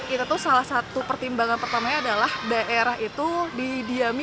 itu salah satu pertimbangan pertamanya adalah daerah itu didiami